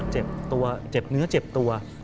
เจ็บตัวเจ็บเนื้อเจ็บตัว